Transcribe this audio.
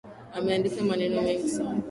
Ameandika maneno mengi sana